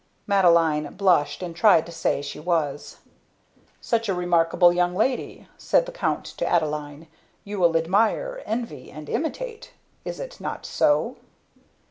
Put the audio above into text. Madeline blushed and tried to say she was. "Such a remarkable young lady!" said the Count to Adeline. "You will admire, envy, and imitate! Is it not so?"